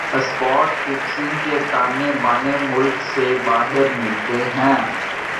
spot fixing کے تانے بانے ملک سے باہر ملتےہیں